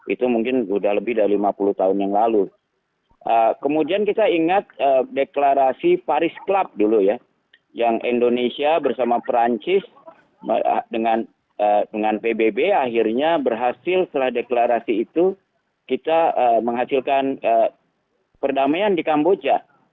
itu mungkin sudah lebih dari lima puluh tahun yang lalu kemudian kita ingat deklarasi paris club dulu ya yang indonesia bersama perancis dengan pbb akhirnya berhasil setelah deklarasi itu kita menghasilkan perdamaian di kamboja